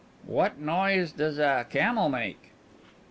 "What noise does a camel make?"